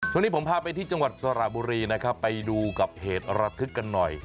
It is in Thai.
ช่วงนี้ผมพาไปที่จังหวัดสระบุรีนะครับไปดูกับเหตุระทึกกันหน่อย